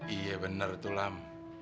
iya bener tulam